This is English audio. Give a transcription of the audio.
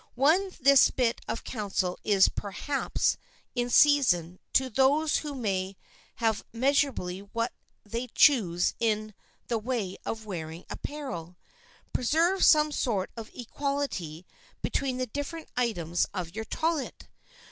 Only this bit of counsel is perhaps in season to those who may have measurably what they choose in the way of wearing apparel. Preserve some sort of equality between the different items of your toilet.